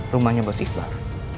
rumahnya bos iqbal